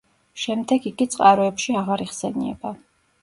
შემდეგ იგი წყაროებში აღარ იხსენიება.